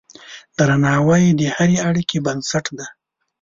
درناوی د هرې اړیکې بنسټ دی.